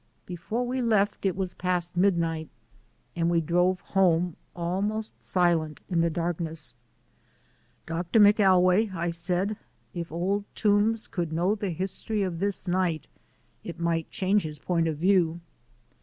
Before we left it was past midnight and we drove home, almost silent, in the darkness. "Doctor McAlway," I said, "if Old Toombs could know the history of this night it might change his point of view."